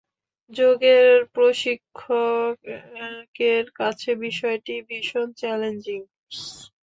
যোগের প্রশিক্ষকের কাছে বিষয়টি ভীষণ চ্যালেঞ্জিং।